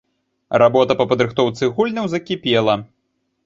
Работа па падрыхтоўцы гульняў закіпела.